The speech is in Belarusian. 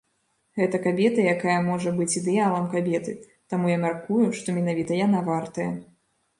Гэта кабета, якая можа быць ідэалам кабеты, таму я мяркую, што менавіта яна вартая.